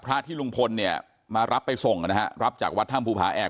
พระอาทิรวงพลเนี่ยมารับไปทรงนะรับจากวัดธรรมภูพระแอก